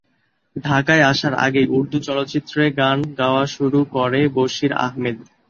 ঢাকায় আসার আগেই উর্দু চলচ্চিত্রে গান গাওয়া শুরু করে বশির আহমেদ।